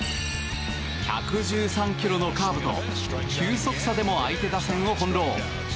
１１３キロのカーブと球速差でも相手打線をほんろう。